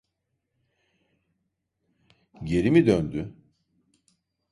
Geri mi döndü?